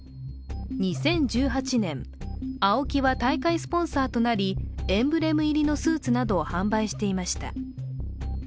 ２０１８年、ＡＯＫＩは大会スポンサーとなりエンブレム入りのスーツなどを販売していました。